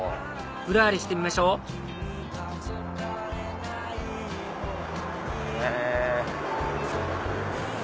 ぶらりしてみましょうへぇ。